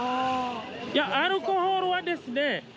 いやアルコールはですね